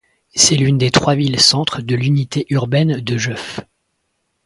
C'est l'une des trois villes-centres de l'unité urbaine de Jœuf.